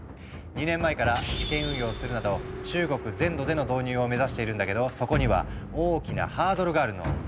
２年前から試験運用するなど中国全土での導入を目指しているんだけどそこには大きなハードルがあるの。